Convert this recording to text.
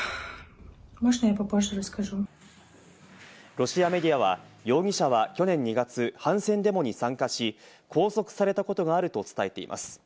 ロシアメディアは、容疑者は去年２月、反戦デモに参加し、拘束されたことがあると伝えています。